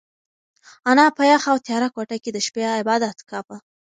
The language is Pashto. انا په یخه او تیاره کوټه کې د شپې عبادت کاوه.